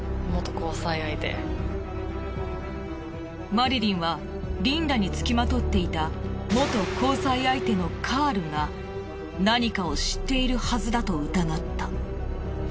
マリリンはリンダに付きまとっていた元交際相手のカールが何かを知っているはずだと疑った。